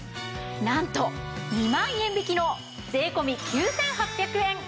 なんと２万円引きの税込９８００円！